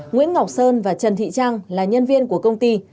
nguyễn ngọc sơn và trần thị trang là nhân viên của công ty